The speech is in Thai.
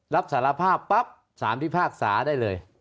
รับสารภาพปั๊บสารพิพากษาได้เลย